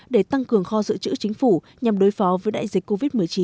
để tăng cường kho dự trữ chính phủ nhằm đối phó với đại dịch covid một mươi chín